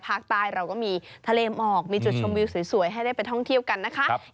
ภาคใต้เราก็มีทะเลหมอกมีจุดชมวิวสวยให้ได้ไปท่องเที่ยวกันนะคะ